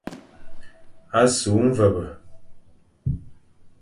A su mvebe.